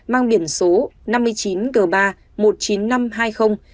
mang biển số năm mươi chín g ba một mươi chín nghìn năm trăm hai mươi